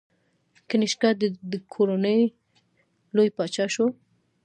کنیشکا د دې کورنۍ لوی پاچا شو